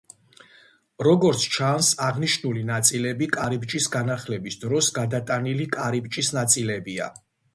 როგორც ჩანს, აღნიშნული ნაწილები კარიბჭის განახლების დროს გადატანილი კარიბჭის ნაწილებია.